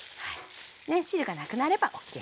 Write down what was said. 汁がなくなればＯＫです。